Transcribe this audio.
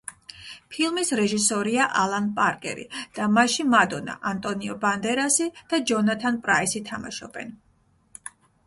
ფილმის რეჟისორია ალან პარკერი და მასში მადონა, ანტონიო ბანდერასი და ჯონათან პრაისი თამაშობენ.